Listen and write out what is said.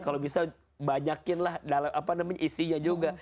kalau bisa banyakinlah isinya juga